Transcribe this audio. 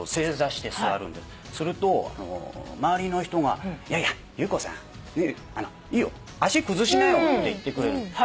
すると周りの人が「いやいや遊子さん」「いいよ足崩しなよ」って言ってくれる。